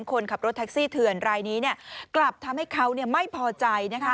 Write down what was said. คนขับรถแท็กซี่เถื่อนรายนี้กลับทำให้เขาไม่พอใจ